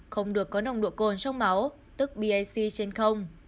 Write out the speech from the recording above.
không được có nồng độ cồn trong máu tức bic trên không